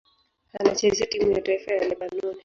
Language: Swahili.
Anachezea timu ya taifa ya Lebanoni.